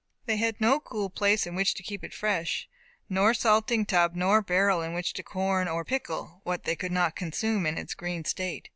They had no cool place in which to keep it fresh, nor salting tub nor barrel in which to corn or pickle what they could not consume in its green state.